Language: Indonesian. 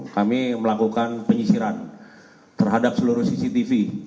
kami melakukan penyisiran terhadap seluruh cctv